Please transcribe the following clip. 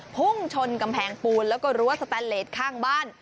พุ่งชนกำแพงปูนแล้วก็รั้วสแตนเลสข้างบ้าน